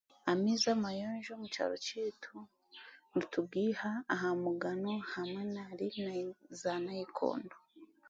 Amaizi amayonjo nitugiiha, turagiiha aha mugano hamwe n'aza naikondo.